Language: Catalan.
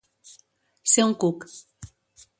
Ser un cuc.